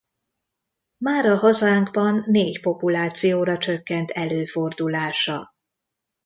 Mára hazánkban négy populációra csökkent előfordulása.